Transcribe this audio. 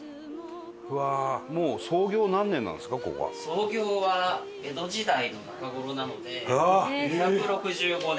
創業は江戸時代の中頃なので２６５年。